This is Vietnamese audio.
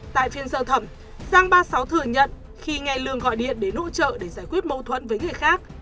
tại phiên sơ thẩm giang ba mươi sáu thừa nhận khi nghe lương gọi điện để hỗ trợ để giải quyết mâu thuẫn với người khác